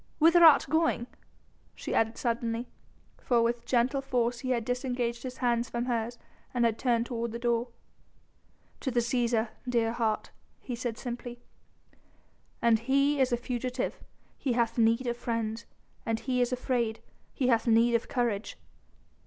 Whither art going?" she added suddenly, for with gentle force he had disengaged his hands from hers and had turned toward the door. "To the Cæsar, dear heart," he said simply; "an he is a fugitive he hath need of friends: an he is afraid, he hath need of courage."